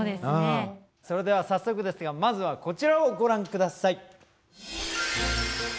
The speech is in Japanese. それでは早速ですがまずは、こちらをご覧ください。